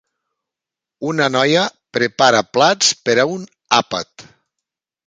Una noia prepara plats per a un àpat.